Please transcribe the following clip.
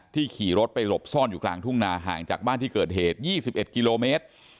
ขี่รถไปหลบซ่อนอยู่กลางทุ่งนาห่างจากบ้านที่เกิดเหตุ๒๑กิโลเมตร